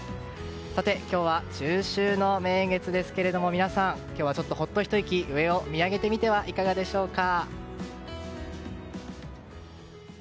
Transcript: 今日は中秋の名月ですが皆さん、今日はちょっとほっとひと息上を見上げてみてはいかがでしょうか。